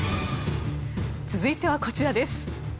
続いてはこちらです。